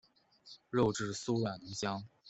肉质酥软浓香。